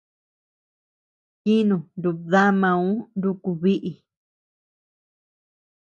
Kinü nubdamauʼu nuku biʼi.